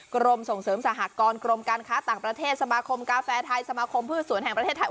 กรมส่งเสริมสหกรกรมการค้าต่างประเทศสมาคมกาแฟไทยสมาคมพืชสวนแห่งประเทศไทย